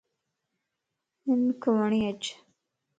ھنک وڻھي اچ